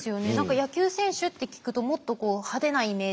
野球選手って聞くともっと派手なイメージありますよね。